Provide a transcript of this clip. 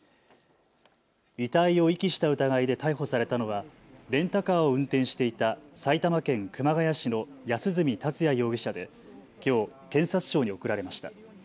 遺体を遺棄した疑いで逮捕されたのはレンタカーを運転していた埼玉県熊谷市の安栖達也容疑者できょう検察庁に送られました。